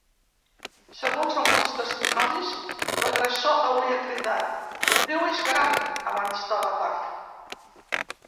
Segons alguns testimonis, l’agressor hauria cridat ‘Déu és gran’ abans de l’atac.